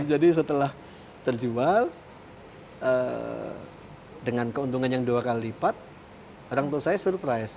jadi setelah terjual dengan keuntungan yang dua kali lipat orang tua saya surprise